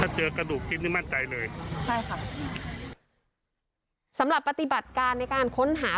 ถ้าเจอกระดูกชิ้นนี้มั่นใจเลยใช่ค่ะสำหรับปฏิบัติการในการค้นหา